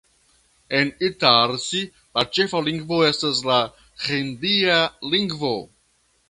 En Itarsi la ĉefa lingvo estas la hindia lingvo.